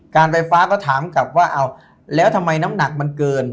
การไฟฟ้าก็ถามกลับว่าเอาแล้วทำไมน้ำหนักมันเกิน